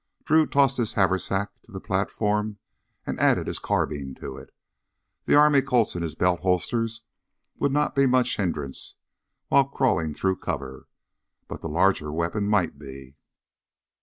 Drew tossed his haversack back to the platform and added his carbine to it. The army Colts in his belt holsters would not be much hindrance while crawling through cover, but the larger weapon might be.